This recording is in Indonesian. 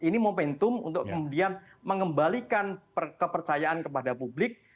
ini momentum untuk kemudian mengembalikan kepercayaan kepada publik